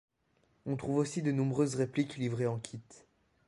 On trouve aussi de nombreuses répliques livrées en kit.